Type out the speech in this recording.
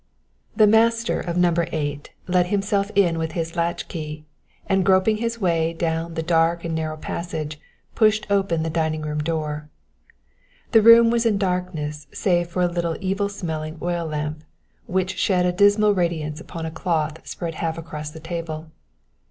The master of No. 8 let himself in with his latch key, and groping his way down the dark and narrow passage pushed open the dining room door. The room was in darkness save for a little evil smelling oil lamp which shed a dismal radiance upon a cloth spread half across the table.